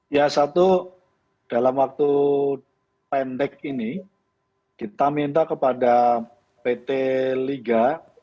ya satu dalam waktu pendek ini kita minta kepada pt liga